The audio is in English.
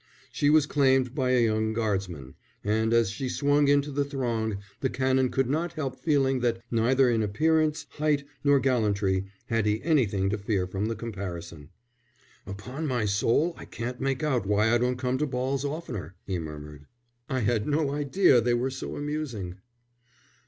She was claimed by a young guardsman; and as she swung into the throng the Canon could not help feeling that neither in appearance, height, nor gallantry, had he anything to fear from the comparison. "Upon my soul, I can't make out why I don't come to balls oftener," he murmured. "I had no idea they were so amusing."